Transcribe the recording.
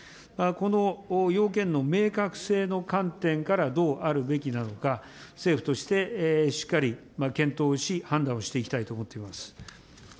この要件の明確性の観点からどうあるべきなのか、政府としてしっかり検討をし、判断をしていきたいと思っています。